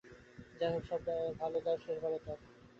যাই হোক, সব ভাল যার শেষ ভাল।